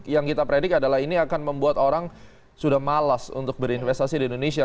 yang kita predik adalah ini akan membuat orang sudah malas untuk berinvestasi di indonesia